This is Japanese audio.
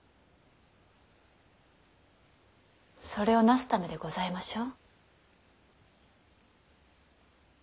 それをなすためでございましょう？